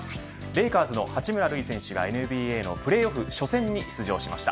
レイカーズの八村塁選手がＮＢＡのプレーオフ初戦に出場しました。